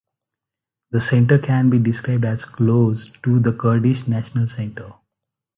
The center can be described as close to the Kurdish National Center.